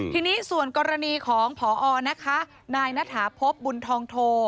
ทีนี้ส่วนกรณีของพอนะคะนายณฐาพบบุญทองโท